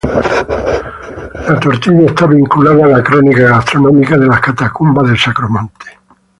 La tortilla está vinculada a la crónica gastronómica de las Catacumbas del Sacromonte.